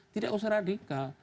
tidak usah radikal